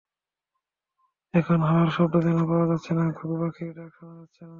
এখন হাওয়ার শব্দও যেন পাওয়া যাচ্ছে না, ঘুঘুপাখির ডাক শোনা যাচ্ছে না।